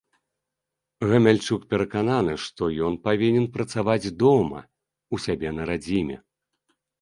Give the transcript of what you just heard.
Гамяльчук перакананы, што ён павінен працаваць дома, у сябе на радзіме.